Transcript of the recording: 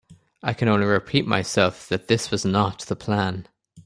I can only repeat myself that this was not the plan.